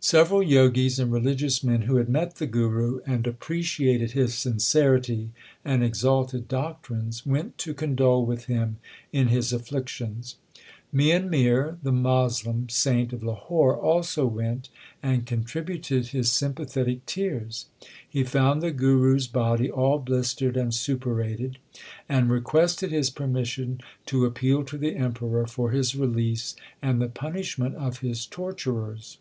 Several Jogis and religious men who had met the Guru and appreciated his sincerity and exalted doctrines, went to condole with him in his afflictions. Mian Mir, the Moslem saint of Lahore, also went and contributed his sympathetic tears. He found the Guru s body all blistered and suppurated, and requested his permission to appeal to the Emperor for his release and the punishment of his torturers.